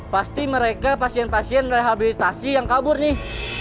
pasti mereka pasien pasien rehabilitasi yang kabur nih